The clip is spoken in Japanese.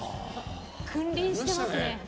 君臨してますね。